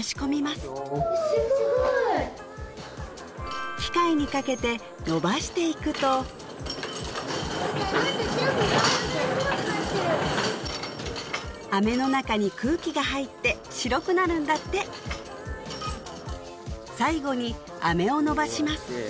すごいすごい機械にかけて伸ばしていくと飴の中に空気が入って白くなるんだって最後に飴を伸ばします